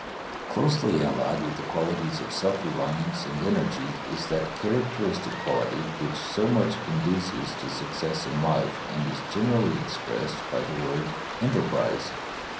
] Closely allied with the qualities of self reliance and energy is that characteristic quality which so much conduces to success in life, and is generally expressed by the word "enterprise."